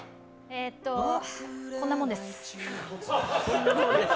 えーとこんなもんです。